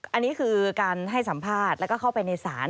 อันนี้คือการให้สัมภาษณ์แล้วก็เข้าไปในศาล